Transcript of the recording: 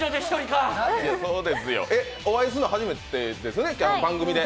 お会いするのは初めてですね、番組で？